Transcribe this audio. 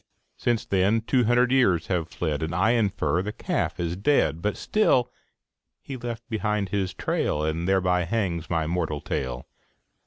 Since then two hundred years have fled, And, I infer, the calf is dead. But still he left behind his trail, And thereby hangs my moral tale.